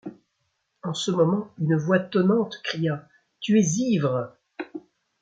En ce moment une voix tonnante cria :— Tu es ivre !